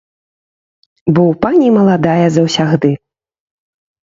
Бо ў пані маладая заўсягды.